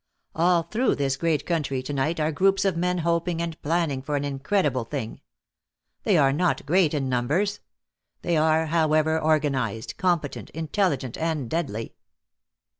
All through this great country to night are groups of men hoping and planning for an incredible thing. They are not great in numbers; they are, however, organized, competent, intelligent and deadly.